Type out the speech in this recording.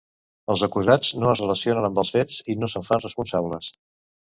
Els acusats no es relacionen amb els fets i no se'n fan responsables.